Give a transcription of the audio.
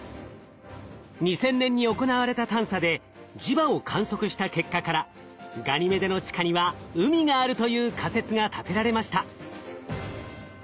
２０００年に行われた探査で磁場を観測した結果からガニメデの地下には海があるという仮説が立てられました。